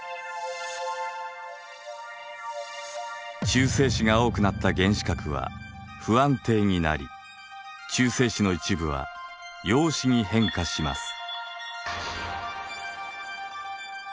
中性子が多くなった原子核は不安定になり中性子の一部は陽子に変化します。